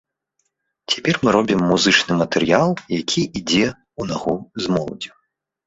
Цяпер мы робім музычны матэрыял, які ідзе ў нагу з моладдзю.